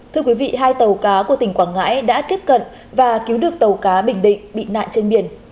thưa quý vị hai tàu cá của tỉnh quảng ngãi đã tiếp cận và cứu được tàu cá bình định bị nạn trên biển